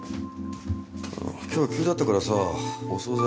今日は急だったからさお惣菜